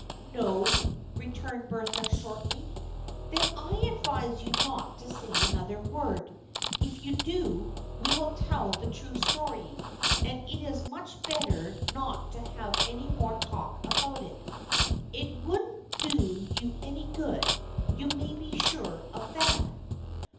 "" No," returned Bertha shortly. " Then I advise you not to say another word. If you do, we will tell the true story, 'and it is much better not to have any more talk about it. It wouldn't do you any good, you may be sure of that."